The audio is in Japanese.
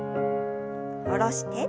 下ろして。